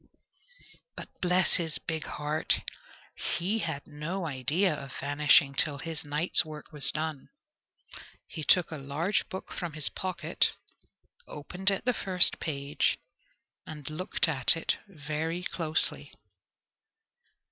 But bless his big heart! he had no idea of vanishing till his night's work was done. He took a large book from his pocket, opened at the first page, and looked at it very closely.